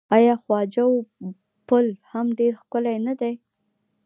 آیا خواجو پل هم ډیر ښکلی نه دی؟